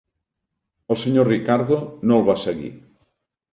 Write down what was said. El senyor Ricardo no el va seguir.